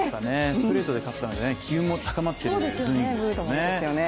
ストレートで勝ったので機運も高まっていますね。